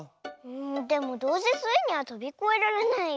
でもどうせスイにはとびこえられないよ。